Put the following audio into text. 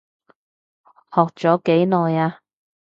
學咗幾耐啊？